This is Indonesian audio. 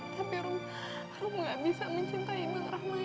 tapi rom rom gak bisa mencintai bang ram lagi